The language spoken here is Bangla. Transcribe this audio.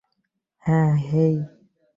হ্যাঁ, হেই।